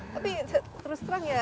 tapi terus terang ya